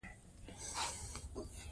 د نورو په خبرو پسې مه ګرځئ .